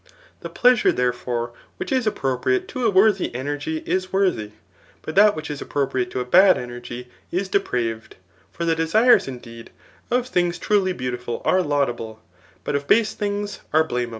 The pleasure, there fore, which is appropriate to a worthy energy is worthy, but that which is appropriate to a bad energy, is de praved J for the desires, indeed, of things truly beautiful are laudable, but of base things are blameable.